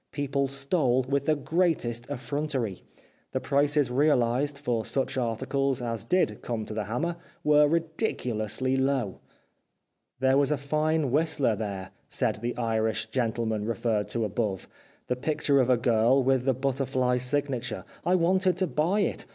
People stole with the greatest effrontery. The prices realised for such articles as did come to the hammer were ridiculously low. " There was a fine Whistler there," said the Irish gentleman referred to above, " the picture of a girl, with the butterfly signature. I wanted to buy it.